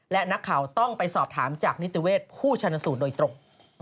และนักข่าวต้องไปสอบถามจากนิติเวชผู้ชนสูตรโดยตรง